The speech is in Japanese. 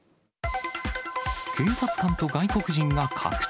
警察官と外国人が格闘。